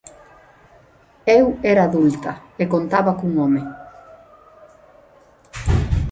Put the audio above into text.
Eu era adulta e contaba cun home.